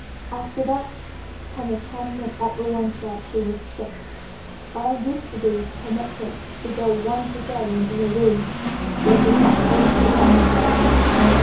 After that came a time when every one said she was sick, and I used to be permitted to go once a day into her room, where she sat bolstered up in bed.